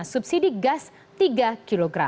subsidi gas tiga kg